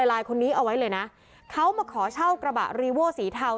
ลายคนนี้เอาไว้เลยนะเขามาขอเช่ากระบะรีโว้สีเทา